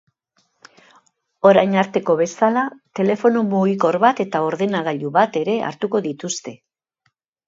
Orain arteko bezala, telefono mugikor bat eta ordenagailu bat ere hartuko dituzte.